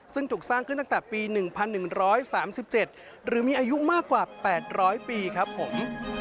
ซึ่งถูกสร้างขึ้นตั้งแต่ปี๑๑๓๗หรือมีอายุมากกว่า๘๐๐ปีครับผม